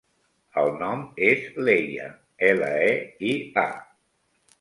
El nom és Leia: ela, e, i, a.